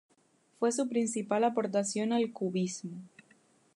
Fue su principal aportación al cubismo.